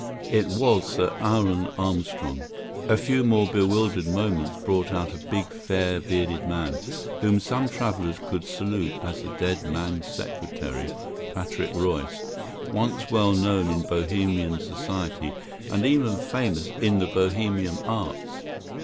It was Sir Aaron Armstrong. A few more bewildered moments brought out a big fair bearded man, whom some travellers could salute as the dead man's secretary, Patrick Royce, once well known in Bohemian society and even famous in the Bohemian arts.